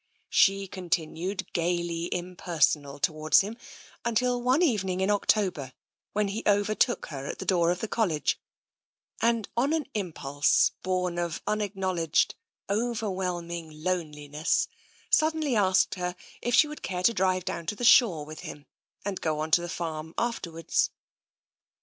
She continued gaily impersonal towards him until one evening in October, when he overtook her at the door of the College, and on an impulse born of tm acknowledged, overwhelming loneliness, suddenly asked her if she would care to drive down to the shore with him and go on to the farm afterwards.